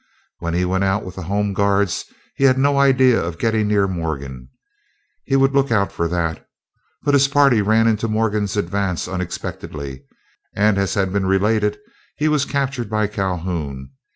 When he went out with the Home Guards, he had no idea of getting near Morgan; he would look out for that. But his party ran into Morgan's advance unexpectedly, and as has been related, he was captured by Calhoun.